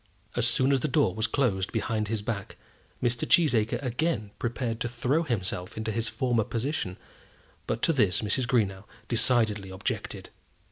As soon as the door was closed behind his back, Mr. Cheesacre again prepared to throw himself into his former position, but to this Mrs. Greenow decidedly objected.